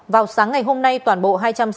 vào sáng ngày hôm nay toàn bộ hai trăm sáu mươi